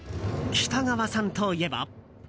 北川さんといえば。